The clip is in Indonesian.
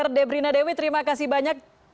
r debrina dewi terima kasih banyak